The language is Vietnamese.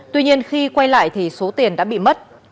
tuy nhiên khi quay lại thì số tiền đã bị mất